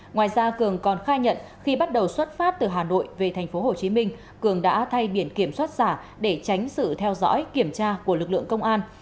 ngoài ra cường còn khai nhận khi bắt đầu xuất phát từ hà nội về tp hcm cường đã thay biển kiểm soát giả để tránh sự theo dõi kiểm tra của lực lượng công an